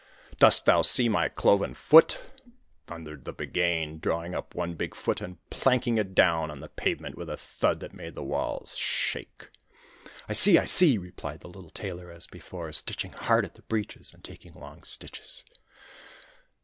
'Dost thou see my cloven foot?' thundered the Buggane, drawing up one big foot and planking it down on the pavement with a thud that made the walls shake. 'I see, I see!' replied the little Tailor, as before, stitching hard at the breeches and taking long stitches.